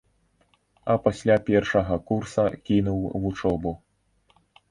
А пасля першага курса кінуў вучобу.